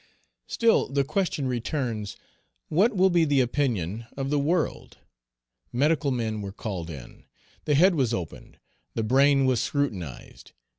Still the question returns, "What will be the opinion of the world?" Medical men were called in. The head was opened; the brain was scrutinized.